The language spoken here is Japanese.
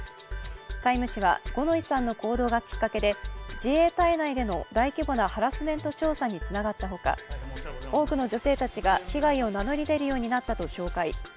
「タイム」誌は五ノ井さんの行動がきっかけで自衛隊内での大規模なハラスメント調査につながったほか、多くの女性たちが被害を名乗り出るようになったと紹介。